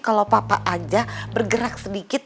kalau papa aja bergerak sedikit